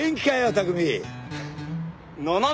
拓海。